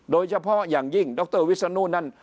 โดยเฉพาะอย่างยิ่งดรวิศนุนั้น